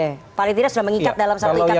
jadi mereka sudah mengikat dalam satu ikatan polisi ya